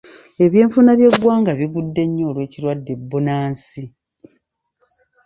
Ebyenfuna by'eggwanga bigudde nnyo olw'ekirwadde bunnansi.